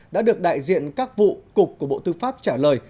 đã được đại diện các vụ cục của bộ tư pháp trả lời